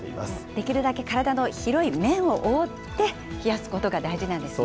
できるだけ体の広い面を覆って、冷やすことが大事なんですね。